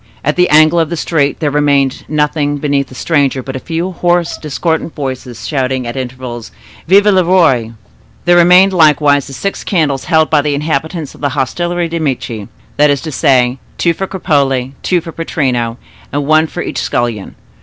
At the angle of the street there remained nothing beneath the stranger but a few hoarse, discordant voices, shouting at intervals "Vive le Roi!" There remained likewise the six candles held by the inhabitants of the hostelry des Medici; that is to say, two for Cropole, two for Pittrino, and one for each scullion.